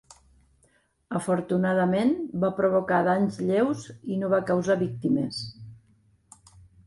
Afortunadament, va provocar danys lleus i no va causar víctimes.